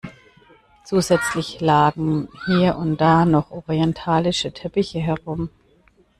Zusätzlich lagen hier und da noch orientalische Teppiche herum.